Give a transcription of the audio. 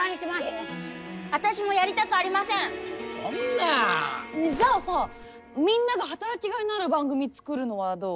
ねえじゃあさみんなが働きがいのある番組作るのはどう？